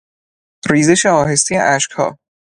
ریزش آهستهی اشکها